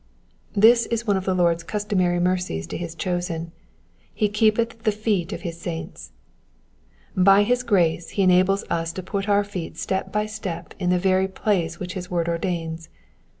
^^ This is one of the Lord's customary mercies to his chosen, —^^ He keepeth the feet of his saints.'* By his grace he enables us to put our feet step by step in the very place wliich his word ordains.